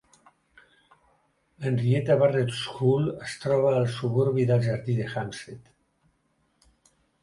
La Henrietta Barnett School es troba al suburbi del jardí de Hampstead.